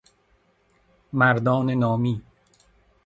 مردان نامی